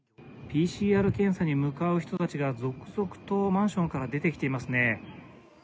ＰＣＲ検査に向かう人たちが続々とマンションから出てきていますね。